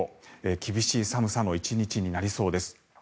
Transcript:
厳しい寒さの１日になりそうです。